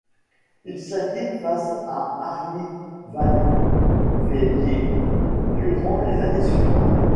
Il s'incline face à Arie van Vliet durant les années suivantes.